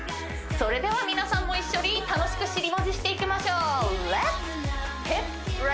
それでは皆さんも一緒に楽しく尻文字していきましょうレッツ！